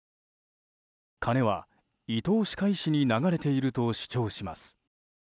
金は伊藤歯科医師に流れていると主張します。